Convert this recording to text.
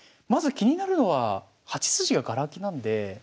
まず気になるのは８筋ががら空きなんで。